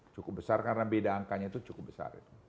cukup besar karena beda angkanya itu cukup besar